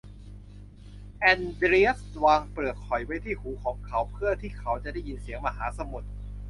แอนเดรียสวางเปลือกหอยไว้ที่หูของเขาเพื่อที่เขาจะได้ยินเสียงมหาสมุทร